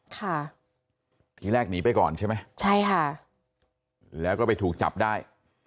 ค่ะทีแรกหนีไปก่อนใช่ไหมใช่ค่ะแล้วก็ไปถูกจับได้